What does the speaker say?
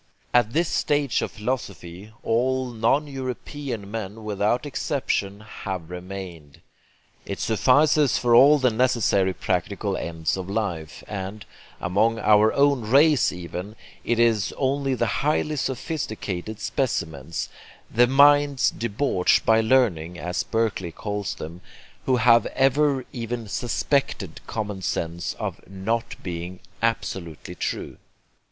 At this stage of philosophy all non European men without exception have remained. It suffices for all the necessary practical ends of life; and, among our own race even, it is only the highly sophisticated specimens, the minds debauched by learning, as Berkeley calls them, who have ever even suspected common sense of not being absolutely true.